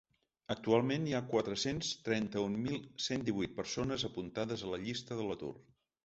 Actualment hi ha quatre-cents trenta-un mil cent divuit persones apuntades a la llista de l’atur.